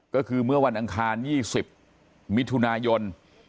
ก็คือเมื่อวันอังคาร๒๐มิถุนายน